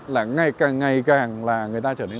là ngày càng ngày càng là người ta trở nên